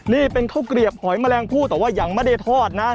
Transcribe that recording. นี่เป็นข้าวเกลียบหอยแมลงผู้แต่ว่ายังไม่ได้ทอดนะ